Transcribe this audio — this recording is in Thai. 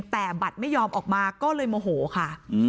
แต่บัตรไม่ยอมออกมาก็เลยโมโหค่ะ